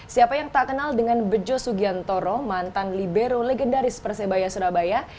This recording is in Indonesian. siapa yang tak kenal dengan bejo sugiantoro mantan libero legendaris persebaya surabaya